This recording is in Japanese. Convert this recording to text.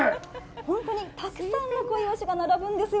本当にたくさんの小イワシが並ぶんですよ。